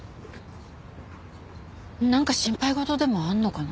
なんか心配事でもあるのかな。